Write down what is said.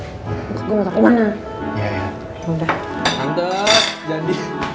karena gue gak mau dikira kenal kumat tau gak sih